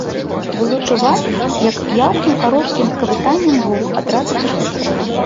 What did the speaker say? Было чуваць, як яўкнуў кароткім скавытаннем воўк адразу пасля стрэлу.